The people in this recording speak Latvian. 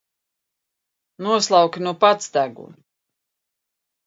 Noslauki nu pats degunu!